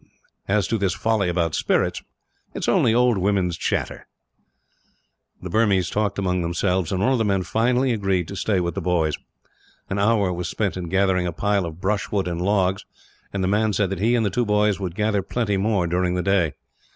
As to this folly about spirits, it is only old women's chatter." The Burmese talked among themselves, and one of the men finally agreed to stay with the boys. An hour was spent in gathering a pile of brushwood and logs, and the man said that he and the two boys would gather plenty more, during the day.